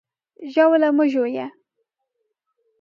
ژاوله مه ژویه!